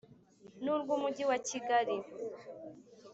n urw Umujyi wa Kigali